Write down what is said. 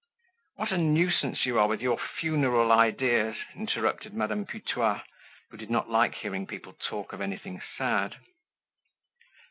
"What a nuisance you are with your funeral ideas!" interrupted Madame Putois who did not like hearing people talk of anything sad.